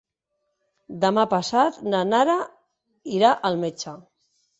Demà passat na Nara irà al metge.